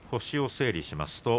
星を整理します。